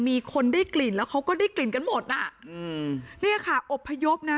มีคนได้กลิ่นแล้วเขาก็ได้กลิ่นกันหมดน่ะอืมเนี่ยค่ะอบพยพนะ